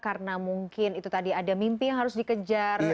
karena mungkin itu tadi ada mimpi yang harus dikejar